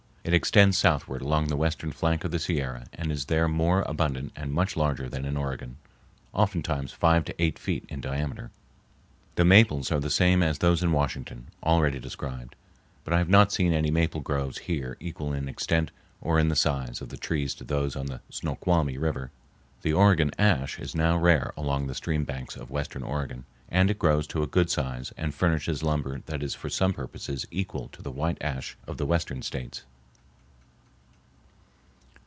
It extends southward along the western flank of the Sierra and is there more abundant and much larger than in Oregon, oftentimes five to eight feet in diameter. The maples are the same as those in Washington, already described, but I have not seen any maple groves here equal in extent or in the size of the trees to those on the Snoqualmie River. The Oregon ash is now rare along the stream banks of western Oregon, and it grows to a good size and furnishes lumber that is for some purposes equal to the white ash of the Western States.